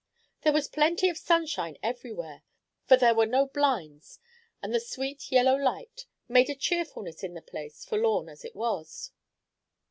There was plenty of sunshine everywhere, for there were no blinds, and the sweet yellow light made a cheerfulness in the place, forlorn as it was.